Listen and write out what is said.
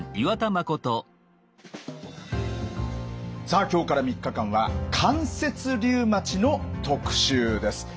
さあ今日から３日間は関節リウマチの特集です。